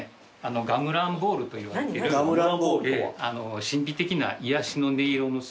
ガムランボールといわれてる神秘的な癒やしの音色のするアクセサリー。